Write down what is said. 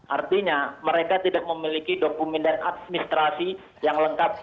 artinya mereka tidak memiliki dokumen dan administrasi yang lengkap